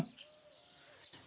aku juga bisa bermain drum